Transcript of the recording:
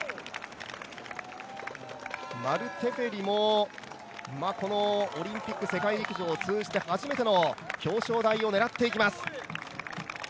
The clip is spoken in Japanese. マル・テフェリもこのオリンピック、世界陸上を通じての初めての表彰台を狙っていきます。